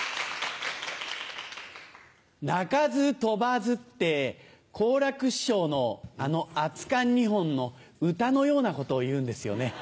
「鳴かず飛ばず」って好楽師匠のあの『熱燗二本』の歌のようなことをいうんですよね。